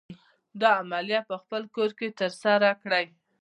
دا عملیه په خپل کور کې تر سره کړئ.